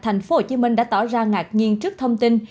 thành phố hồ chí minh đã tỏ ra ngạc nhiên trước thông tin